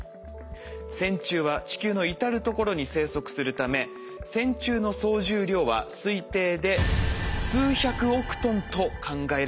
線虫は地球の至る所に生息するため線虫の総重量は推定で数百億トンと考えられているんです。